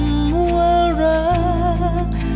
ไม่ปลอดภัยไม่ปลอดภัย